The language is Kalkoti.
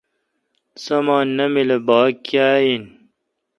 سامان نامل اؘ باگ کیااین۔